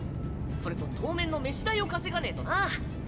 それと当面の飯代を稼がねぇとな。